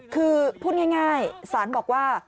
คือพูดง่ายสารบอกว่า